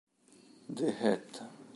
The Hat